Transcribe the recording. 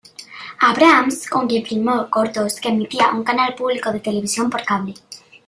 Abrams, con quien filmó cortos que emitía un canal público de televisión por cable.